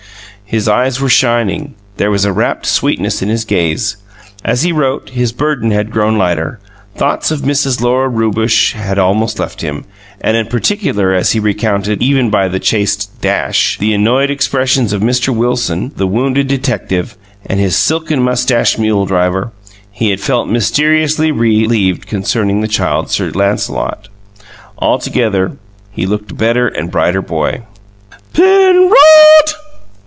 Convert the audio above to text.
His eyes were shining: there was a rapt sweetness in his gaze. As he wrote, his burden had grown lighter; thoughts of Mrs. Lora Rewbush had almost left him; and in particular as he recounted (even by the chaste dash) the annoyed expressions of Mr. Wilson, the wounded detective, and the silken moustached mule driver, he had felt mysteriously relieved concerning the Child Sir Lancelot. Altogether he looked a better and a brighter boy. "Pen ROD!"